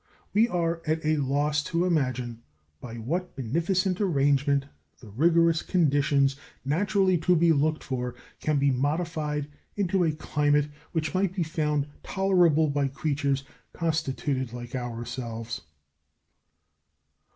We are at a loss to imagine by what beneficent arrangement the rigorous conditions naturally to be looked for can be modified into a climate which might be found tolerable by creatures constituted like ourselves.